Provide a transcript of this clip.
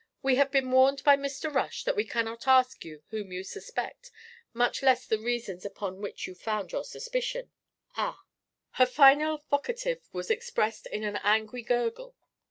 We have been warned by Mr. Rush that we cannot ask you whom you suspect, much less the reasons upon which you found your suspicions ah!" Her final vocative was expressed in an angry gurgle.